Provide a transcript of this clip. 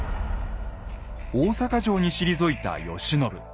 大坂城に退いた慶喜。